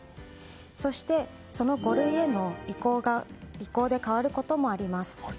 そして、その５類への移行で変わることもあります。